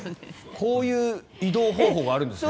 こういう移動方法があるんですね。